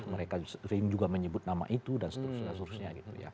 mereka sering juga menyebut nama itu dan seterusnya